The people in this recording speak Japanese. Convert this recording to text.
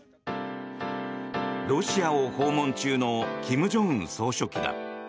ロシアを訪問中の金正恩総書記だ。